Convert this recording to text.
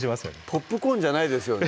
ポップコーンじゃないですよね？